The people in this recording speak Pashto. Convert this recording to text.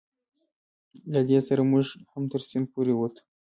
له دې سره موږ هم تر سیند پورې وتو.